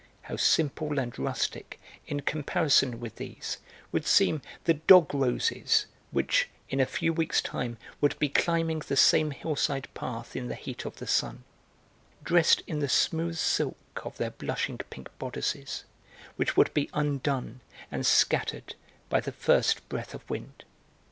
How simple and rustic, in comparison with these, would seem the dog roses which, in a few weeks' time, would be climbing the same hillside path in the heat of the sun, dressed in the smooth silk of their blushing pink bodices, which would be undone and scattered by the first breath of wind.